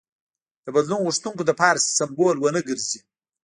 د بدلون غوښتونکو لپاره سمبول ونه ګرځي.